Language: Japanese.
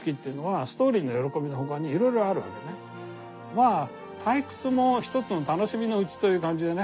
まぁ退屈も一つの楽しみのうちという感じでね。